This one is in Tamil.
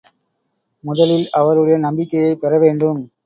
முதலில் அவருடைய நம்பிக்கையைப் பெறவேண்டும்.